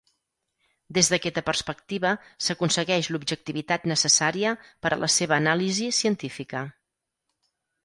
Des d’aquesta perspectiva, s’aconsegueix l’objectivitat necessària per a la seva anàlisi científica.